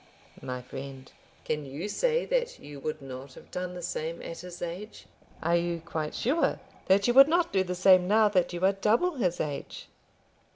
My friend, can you say that you would not have done the same at his age? Are you quite sure that you would not do the same now that you are double his age?